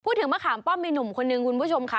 ถึงมะขามป้อมมีหนุ่มคนนึงคุณผู้ชมค่ะ